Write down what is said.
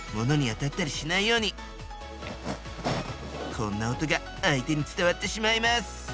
こんな音が相手に伝わってしまいます。